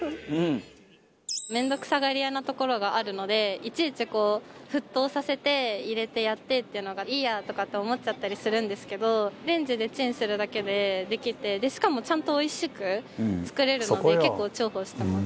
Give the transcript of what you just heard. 面倒くさがり屋なところがあるのでいちいちこう沸騰させて入れてやってっていうのがいいやとかって思っちゃったりするんですけどレンジでチンするだけでできてしかもちゃんとおいしく作れるので結構重宝してます。